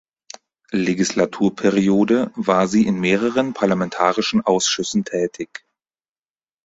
Legislaturperiode war sie in mehreren parlamentarischen Ausschüssen tätig.